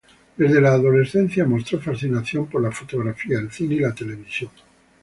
Desde la adolescencia mostró fascinación por la fotografía, el cine y la televisión.